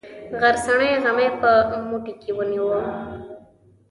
غرڅنۍ غمی په موټي کې ونیوه.